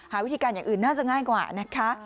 หาวิธีการอย่างอื่นน่าจะง่ายกว่านะคะ